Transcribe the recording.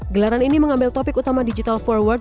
gelaran ini mengambil topik utama digital forward